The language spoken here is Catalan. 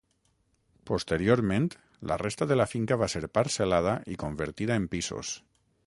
Posteriorment la resta de la finca va ser parcel·lada i convertida en pisos.